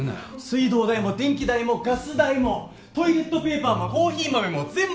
水道代も電気代もガス代もトイレットペーパーもコーヒー豆も全部俺が支払ってるんだよ！